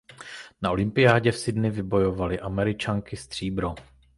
Na olympiádě v Sydney vybojovaly Američanky stříbro.